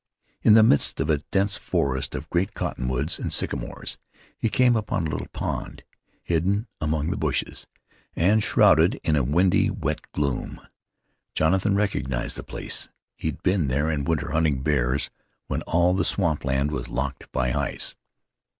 In the midst of a dense forest of great cottonwoods and sycamores he came upon a little pond, hidden among the bushes, and shrouded in a windy, wet gloom. Jonathan recognized the place. He had been there in winter hunting bears when all the swampland was locked by ice.